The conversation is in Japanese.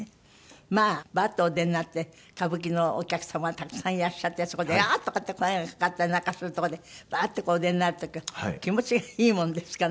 まあバッとお出になって歌舞伎のお客様がたくさんいらっしゃってそこでああー！とかって声がかかったりなんかするところでバーッてお出になる時は気持ちがいいもんですかね。